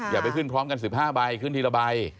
อย่าไปขึ้นพร้อมกัน๑๕ใบขึ้นทีละใบ